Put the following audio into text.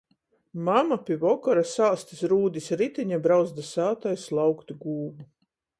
Mama pi vokora sāst iz Rūdis ritiņa i brauc da sātai slaukt gūvu.